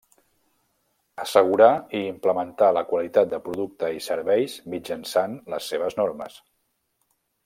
Assegurar i implementar la qualitat de producte i serveis mitjançant les seves normes.